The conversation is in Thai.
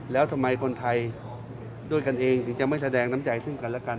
แล้วทำไมคนไทยด้วยกันเองถึงจะไม่แสดงน้ำใจซึ่งกันและกัน